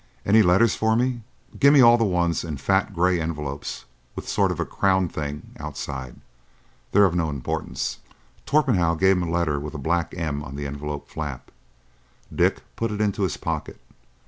Any letters for me? Give me all the ones in fat gray envelopes with a sort of crown thing outside. They're of no importance." Torpenhow gave him a letter with a black M. on the envelope flap. Dick put it into his pocket.